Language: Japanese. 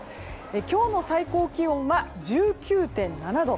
今日の最高気温は１９．７度。